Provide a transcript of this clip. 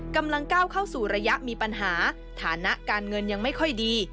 กำลังก้าวเข้าสู่ระยะมีปัญหาฐานะการเงินยังไม่ค่อยดี